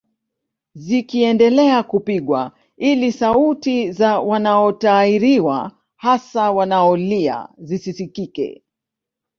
Zikiendelea kupigwa ili sauti za wanaotahiriwa hasa wanaolia zisisikike